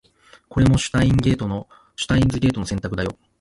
これもシュタインズゲートの選択だよ